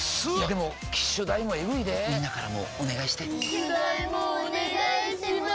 でも機種代もエグいでぇみんなからもお願いして機種代もお願いします